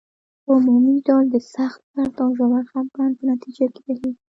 په عمومي ډول د سخت درد او ژور خپګان په نتیجه کې بهیږي.